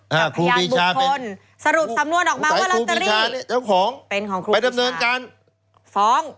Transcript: ฮะครูบีชาเป็นสรุปสำนวนออกมาว่าเริ่มตัวของเป็นของสอง